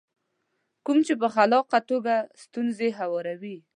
کوم چې په خلاقه توګه ستونزې هواروي.